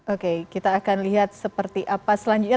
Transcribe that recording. oke kita akan lihat seperti apa selanjutnya